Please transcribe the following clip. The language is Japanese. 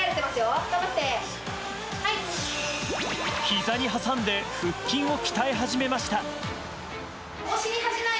ひざに挟んで腹筋を鍛え始めました。